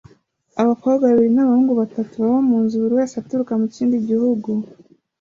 Abakobwa babiri nabahungu batatu baba mu nzu buri wese aturuka mu kindi gihugu